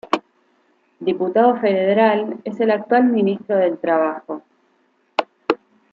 Diputado federal, es el actual Ministro del Trabajo.